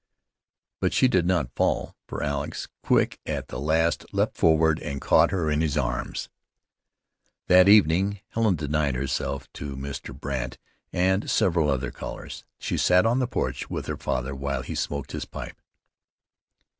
But she did not fall, for Alex, quick at the last, leaped forward and caught her in his arms. That evening Helen denied herself to Mr. Brandt and several other callers. She sat on the porch with her father while he smoked his pipe.